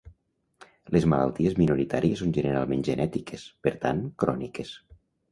Les malalties minoritàries són generalment genètiques, per tant, cròniques.